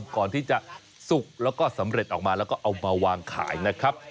ก่อนที่จะสุกแล้วก็สำเร็จออกมาแล้วก็เอามาวางขายนะครับ